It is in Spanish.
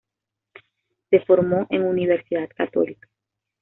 Se formó en Universidad Católica.